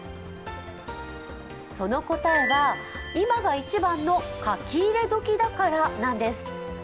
その答えは今が一番の書き入れ時だからなんです。